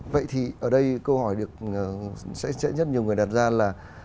vậy thì ở đây câu hỏi được sẽ rất nhiều người đặt ra là